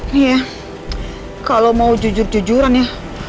ini ya kalau mau jujur jujuran ya